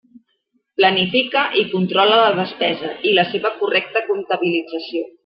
Planifica i controla la despesa i la seva correcta comptabilització.